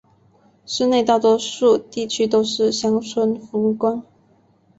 市内大多数地区都是乡村风光。